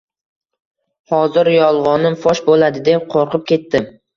Hozir yolg`onim fosh bo`ladi deb qo`rqib ketdim